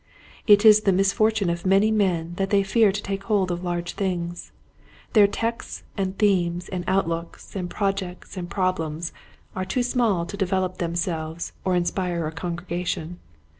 It is the misfortune of many men that they fear to take hold of large things. Their texts and themes and outlooks and g6 Q2iiet Hints to Groiving Preachers. projects and problems are too small to develop themselves or inspire a congrega tion.